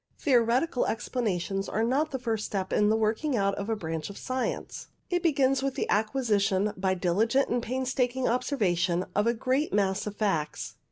Theoretical explanations are not the first step in the working out of a branch of science. It begins with the acquisition, by diligent and painstaking observation, of a great mass of facts.